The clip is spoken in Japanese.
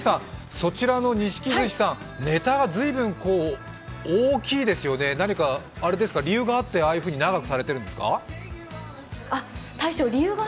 そちらの錦寿司さんネタが随分大きいですよね、何か理由があってされてるんですか？